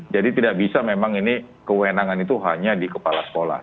jadi tidak bisa memang ini kewenangan itu hanya di kepala sekolah